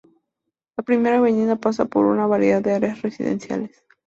La primera Avenida pasa por una variedad de áreas residenciales.